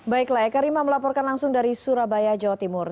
baiklah eka rima melaporkan langsung dari surabaya jawa timur